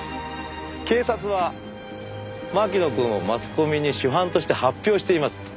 警察は槙野くんをマスコミに主犯として発表しています。